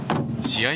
試合